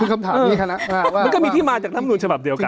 คือคำถามนี้ค่ะนะว่ามันก็มีที่มาจากธรรมดุลฉบับเดียวกัน